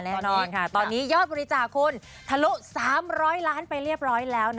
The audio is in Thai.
แน่นอนค่ะตอนนี้ยอดบริจาคคุณทะลุ๓๐๐ล้านไปเรียบร้อยแล้วนะ